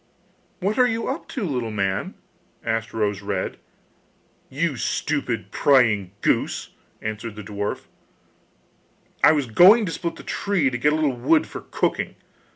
'What are you up to, little man?' asked Rose red. 'You stupid, prying goose!' answered the dwarf: 'I was going to split the tree to get a little wood for cooking.